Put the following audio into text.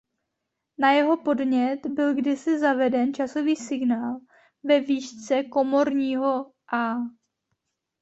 Na jeho podnět byl kdysi zaveden časový signál ve výšce komorního „a“.